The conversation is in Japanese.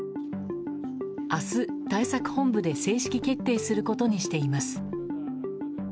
明日、対策本部で正式決定することにしています。